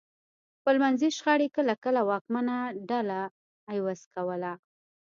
خپلمنځي شخړې کله کله واکمنه ډله عوض کوله